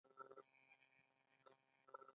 اوس هم ولاړ دی.